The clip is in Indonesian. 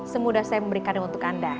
semudah saya memberikannya untuk anda